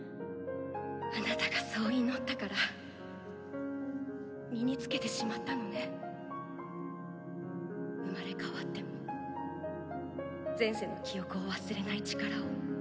あなたがそう祈ったから身につけてしまったのね生まれ変わっても前世の記憶を忘れない力を。